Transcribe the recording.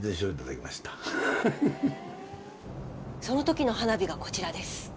その時の花火がこちらです。